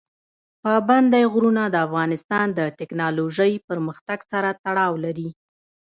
پابندی غرونه د افغانستان د تکنالوژۍ پرمختګ سره تړاو لري.